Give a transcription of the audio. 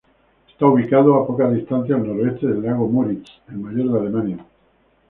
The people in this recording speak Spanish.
Está ubicado a poca distancia al noroeste del lago Müritz, el mayor de Alemania.